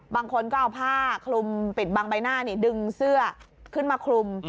บางคนก็เอาผ้าคลุมปิดบางใบหน้าดึงเสื้อขึ้นมาคลุม